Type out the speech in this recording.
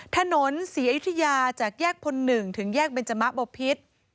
ถนนศรีอยุธยาจากแยกพล๑ถึงแยกเบนจมะบพิษ